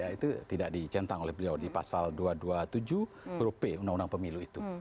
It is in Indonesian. itu tidak dicentang oleh beliau di pasal dua ratus dua puluh tujuh huruf p undang undang pemilu itu